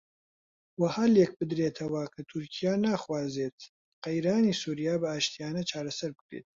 وەها لێک بدرێتەوە کە تورکیا ناخوازێت قەیرانی سووریا بە ئاشتییانە چارەسەر بکرێت